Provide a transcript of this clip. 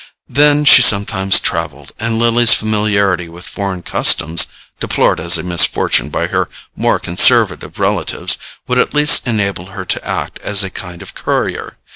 Then she sometimes travelled, and Lily's familiarity with foreign customs—deplored as a misfortune by her more conservative relatives—would at least enable her to act as a kind of courier.